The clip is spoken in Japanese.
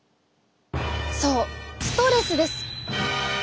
そうストレスです。